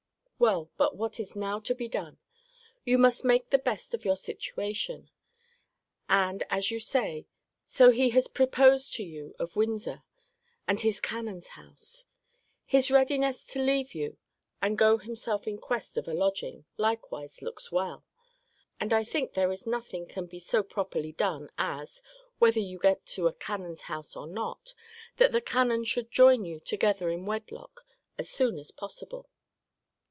Well, but what is now to be done? You must make the best of your situation: and as you say, so he has proposed to you of Windsor, and his canon's house. His readiness to leave you, and go himself in quest of a lodging, likewise looks well. And I think there is nothing can be so properly done, as (whether you get to a canon's house or not) that the canon should join you together in wedlock as soon as possible.